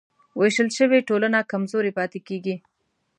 وېشل شوې ټولنه کمزورې پاتې کېږي.